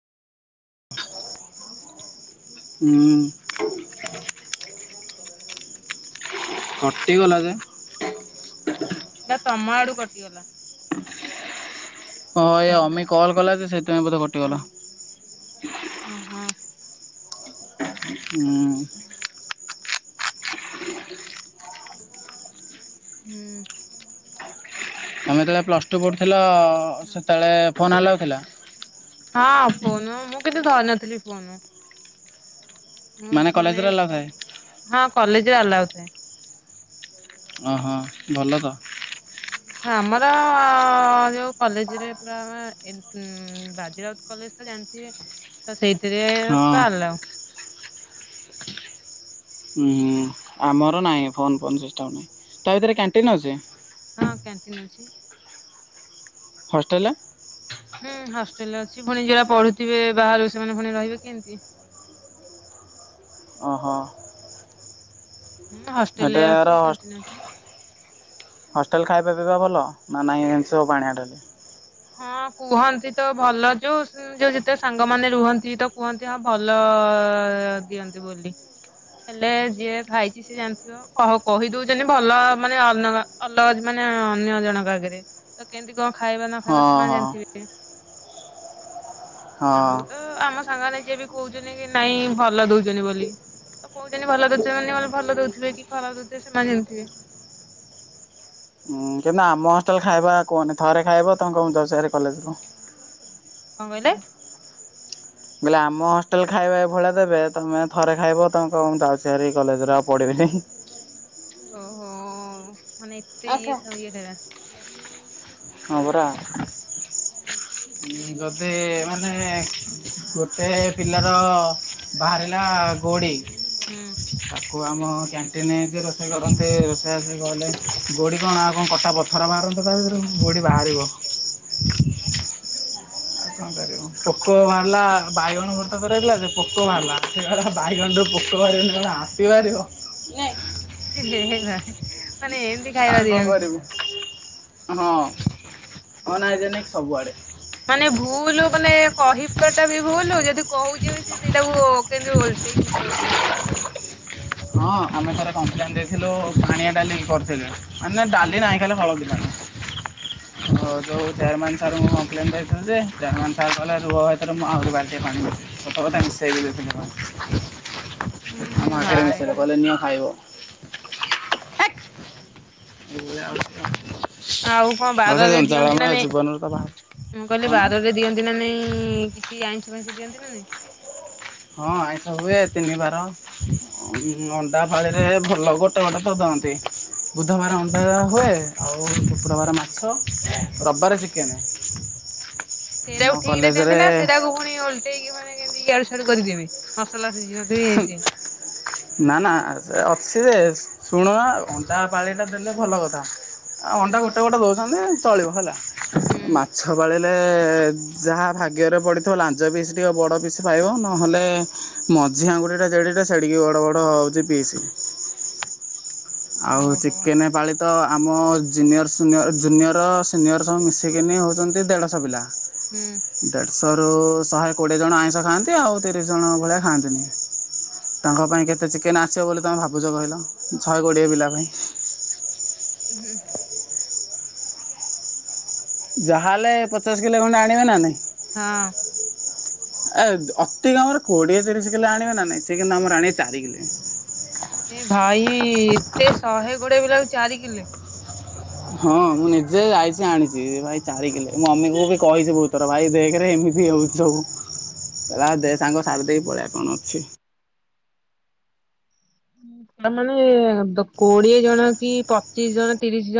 ହୁଁ। କଟିଗଲା ଯେ ଏଟା ତମ ଆଡୁ କଟିଗଲା। ହଁ ଏ ଅମି କଲ୍ କଲା ଯେ ସେଇଥିପାଇଁ ବୋଧେ କଟିଗଲା। ହଁ- ହଁ। ହୁଁ। ହୁଁ। ତମେ ଯେତେବେଳେ ପ୍ଲସ୍ ଟୁ ପଢ଼ୁଥିଲ, ସେତେବେଳେ ଫୋନ୍ ଆଲାଉ ଥିଲା? ହଁ ଫୋନ୍ ମୁଁ କିନ୍ତୁ ଧରିନଥିଲି ଫୋନ୍। ମୁଁ ମାନେ କଲେଜରେ ଆଲାଉ ଥାଏ? ହଁ କଲେଜରେ ଆଲାଉଥାଏ। ଓହ ଭଲ ତ। ହ ଆମର ଯୋଉ କଲେଜରେ ପୁରା ଆ ଉଁ ବାଜି ରାଉତ କଲେଜ ତ ଜାଣିଥିବେ ତ ସେଇଥିରେ ହଁ। ପୁରା ଆଲାଉ। ହୁଁ ଆମର ନାହିଁ ଫୋନ ଫୋନ ସିଷ୍ଟମ ନାହିଁ। ତା ଭିତରେ କ୍ୟାଣ୍ଟିନ୍ ଅଛି? ହଁ କ୍ୟାଣ୍ଟିନ୍ ଅଛି। ହଷ୍ଟେଲ୍? ହୁଁ ହଷ୍ଟେଲ ଅଛି ପୁଣି ଯୋଉରା ପଢୁଥିବେ ବାହାରୁ ସେମାନେ ପୁଣି ରହିବେ କେମିତି। ଓହୋ। ହୁଁ ହଷ୍ଟେଲ ଏଟାର ଅଛି କ୍ୟାଣ୍ଟୀନ୍ ଅଛି। ହଷ୍ଟେଲ୍ ଖାଇବା ପିଇବା ଭଲ ନା ନାହିଁ ଏମିତି ସବୁ ପାଣିଆ ଡ଼ାଲି? ହଁ କୁହନ୍ତି ତ ଭଲ ଯୋଉ ସୁ ଯୋଉ ଯେତେ ସାଙ୍ଗ ମାନେ ରୁହନ୍ତି ତ କୁହନ୍ତି ହଁ ଭଲ ଦିଅନ୍ତି ବୋଲି। ହେଲେ ଯିଏ ଖାଇଛି ସେ ଜାଣିଥିବ। କ କହ କହି ଦୋଉଛନ୍ତି ଭଲ ମାନେ ଅନ ଅଲଗା ମାନେ ଅନ୍ୟ ଜଣଙ୍କ ଆଗରେ। ତ କେମିତି କଣ ଖାଇବା ନ ହଁ ଖାଇବା ସେମାନେ ହଁ ଜାଣିଥିବେ। ହଁ। ଆମକୁ ତ ତ ଆମ ସାଙ୍ଗମାନେ ଯିଏ ବି କହୁଛନ୍ତି କି ନାଇଁ ଭଲ ଦଉଛନ୍ତି ବୋଲି। ତ କହୁଛନ୍ତି ଭଲ ଦୋଉଥିବେ ମାନେ ଭଲ ଦୋଉଥିବେ କି ଖରାପ ଦୋଉଥିବେ ସେମାନେ ଜାଣିଥିବେ। କି ନା ଆମ ହଷ୍ଟେଲ୍ ଖାଇବା କୁହନି ଥରେ ଖାଇବା ତମେ କହିବ ମୁ ଯାଉଚି ଭାରି କଲେଜରୁ। କଣ କହିଲେ? ମୁଁ କହିଲି ଆମ ହଷ୍ଟେଲ ଖାଇବା ଏ ଭଳିଆ ଦେବେ ତୁମେ ଥରେ ଖାଇବ ତମେ କହିବ ମୁଁ ଯାଉଛି ହାରି କଲେଜରୁ ଆଉ ପଢ଼ିବିନି। ଓହୋ ମାନେ ଏତେ ଇଏ ଇଏ ଖାଇବା। ହଁ ପରା। ଇ ଗତେ ମାନେ ଗୋଟେ ପିଲାର ବାହାରିଲା ଗୋଡି ହୁଁ। ତାକୁ ଆମ କ୍ୟାଣ୍ଟିନ ଯିଏ ରୋଷେଇ କରନ୍ତି ରୋଷେଇଆ ସେ କହିଲେ ଗୋଡ଼ି କଣ ଆଉ କଣ କସା ଖାର ବାହାରନ୍ତା ତାଭିତରୁ ଗୋଡ଼ି ବାହାରିବ। ଉହୁ। ଆଉ କଣ କରିବୁ ପୋକ ବାହାରିଲା ବାଇଗଣ ଭର୍ତା କରାହେଇଥିଲା ଯେ ପୋକ ବାହାରିଲା। ସେ କହିଲା ବାଇଗଣରୁ ପୋକ ବାହାରିବନି କଣ ହାତୀ ବାହାରିବ। ହେ ହେ ଭାଇ ମାନେ ଏମତି ଖାଇବା ଆଉ କଣ ଦିଆହୋଉଛି। କରିବୁ ହଁ ଅନ ହାଇଜେନିକ୍ ସବୁଆଡ଼େ। ମାନେ ଭୁଲ ମାନେ କହି ଟା ବି ଭୁଲ୍ ଯଦି କହୁଛେ ବି ସେ ସେଇଟାକୁ କେମିତି ଓଲଟେଇକି ଉତ୍ତର ଦିଆହୋଉଛି। ହଁ ଆମେ ଥରେ କମ୍ପ୍ଲେନ ଦେଇଥିଲୁ ପାଣିଆ ଡାଲି କରିଥିଲେ ନା ହୁଁ ଡାଲି ନାହିଁ ଖାଲି ହଳଦୀ ପାଣି। ଅ ଯୋଉ ଚେୟାରମାନ ସାରଙ୍କୁ କପ୍ଲେନ୍ ଦେଇଥିନୁ ଯେ ଚେୟାରମାନ ସାର୍ କହିଁଲେ ରୁହ ସେ କହିଲେ ମୁଁ ଆହୁରି ବାଲ୍ଟିଏ ପାଣି ମିସେଇଦେବି। ସତ କଥା ମିସେଇଦେଇଥିଲେ ନ ହୁଁ କଣ [unintelligible] ଭାଇ ନିଅ ଖାଇବ। ଏଇ ଭଳିଆ ଆଉ କଣ। ଆଉ କଣ ବାରରେ ଦିଅନ୍ତି ନା ନାଇଁ ଜୀବନରୁ ତ ବାହାରି ମୁଁ କହିଲି କଣ? ବାରରେ ଦିଅନ୍ତି ନା ନାଇଁ କିଛି ଆଇଁଷ ଫାଇଁସ ଦିଅନ୍ତି ନା ନାଇ? ହଁ ଆଇଁଶ ହୁଏ ତିନିିବାର। ଅ ଅଣ୍ଡା ପାଳିରେ ଭଲ ଗୋଟେ ଗୋଟେ ତ ଦିଅନ୍ତି। ବୁଧବାର ଅଣ୍ଡା ହୁଏ ଆଉ ଶୁକ୍ରବାରେ ମାଛ ରବିବାର ଚିକେନ୍। ଆମ ସେଇଟାକୁ ଠିକ ରେ ଦିଅନ୍ତି ନା କଲେଜରେ ସେଇଟାକୁ ପୁଣି ଓଲଟେଇକି ମାନେ କେମିତି ଇଆଡୁ ସିଆଡୁ କରିକି ଦେବେ ମସଲା ସିଝିନ ଦେବେ ଇଏ ସିଏ। ନା ନା ଅଛି ଯେ। ଶୁଣୁନ ଅଣ୍ଡା ପାଳିଟା ଦେଲେ ଭଲ କଥା ଆଉ ଅଣ୍ଡା ଗୋଟେ ଗୋଟେ ଦଉଛନ୍ତି ଚଳିବ ହେଲା। ମା। ହୁଁ ମାଛ ପାଳିରେ ଯାହା ଭାଗ୍ୟରେ ପଡ଼ିଥିବ ଲାଞ୍ଜ ପିସ୍ ଟିକେ ବଡ଼ ପିସ୍ ପାଇବ ନହେଲେ। ମଝି ଆଙ୍ଗୁୁଳି ଟା ଜେଡିଟେ ସେଡିକି ବଡ ବଡ ହଉଚି ପିସି। ଆଉ ଓହୋ ଚିକେନ ପାଳି ତ ଆମ ଜୁନିୟର ସିନିୟର ଜୁନିୟର ସିନିୟର ସବୁ ମିଶିକିନି ହଉଚନ୍ତି ଦେଢ଼ଶହ ପିଲା। ହୁଁ। ଦେଢ଼ଶହ ରୁ ଶହେ କୋଡ଼ିଏ ଜଣ ଆଇଁଷ ଖାଆନ୍ତି ଆଉ ତିରିଶି ଜଣ ଭଳିଆ ଖାଆନ୍ତିନି। ତାଙ୍କ ପାଇଁ କେତେ ଚିକେନ ଆସିବ ବୋଲି ତମେ ଭାବୁଚ କହିଲ ଶହେ କୋଡିଏ ପିଲା ପାଇଁ। ଉଁ ହୁଁ। ଯାହାହେଲେ ପଚାଶ କିଲେ ଖଣ୍ଡେ ଆଣିବେ ନା ନାଇଁ। ହଁ। ଏ ଅତି କମ୍ ରେ କୋଡିଏ ତିରିଶ କିଲୋ ଆଣିବେ ନା ନାଇଁ ସେ କିନ୍ତୁ ଆମର ଆଣିବେ ଚାରି କିଲି। ଏ ଭାଇ ଏତେ ଶହେ ଗୋଡିଏ ପିଲା କୁ ଚାରି କିଲେ। ହଁ ମୁଁ ନିଜେ ଯାଇଚି ଆଣିଚି ରେ ଭାଇ ଚାରି କିଲେ ମୁଁ ମମିକୁ ବି କହିଚି ବହୁତ୍ ଥର ଭାଇ ଦେଖରେ ଏମିତି ହଉଚି। ସବୁ କଇଲା ଦେ ସାଙ୍ଗ ସାର୍ ଦେଇକି ପଳେଇଆ କଣ ଅଛି। ତା ମାନେ କୋଡିଏ ଜଣ କି ପଚିଶ ଜଣ ତିରିଶ ଜଣ।